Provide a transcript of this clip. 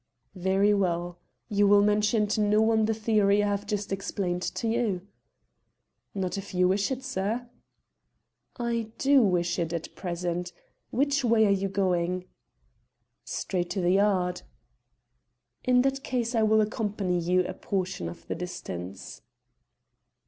"Very well. You will mention to no one the theory I have just explained to you?" "Not if you wish it, sir." "I do wish it at present. Which way are you going?" "Straight to the Yard." "In that case I will accompany you a portion of the distance."